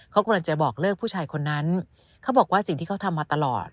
เขากำลังจะบอกเลิกผู้ชายคนนั้นเขาบอกว่าสิ่งที่เขาทำมาตลอด